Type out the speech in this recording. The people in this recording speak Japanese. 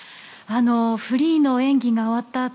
フリーの演技が終わった